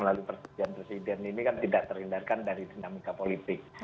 melalui persetujuan presiden ini kan tidak terhindarkan dari dinamika politik